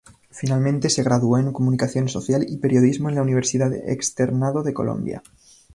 Finalmente, se graduó en comunicación social y periodismo en la Universidad Externado de Colombia.